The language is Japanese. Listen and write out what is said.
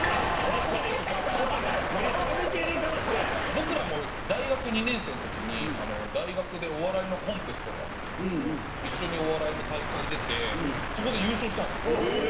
僕らも大学２年生の時に大学でお笑いのコンテストがあって一緒にお笑いの大会出てそこで優勝したんですよ。